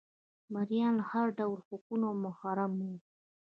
مریان له هر ډول حقونو محروم وو